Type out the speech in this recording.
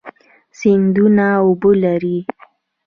سیندونه اوبه لري.